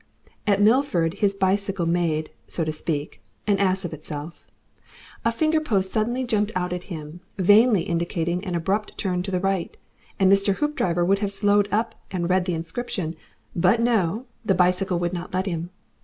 At Milford his bicycle made, so to speak, an ass of itself. A finger post suddenly jumped out at him, vainly indicating an abrupt turn to the right, and Mr. Hoopdriver would have slowed up and read the inscription, but no! the bicycle would not let him.